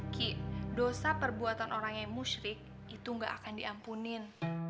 ki dosa perbuatan orang yang musyrik itu gak akan diampunin